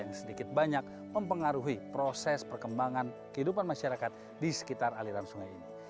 yang sedikit banyak mempengaruhi proses perkembangan kehidupan masyarakat di sekitar aliran sungai ini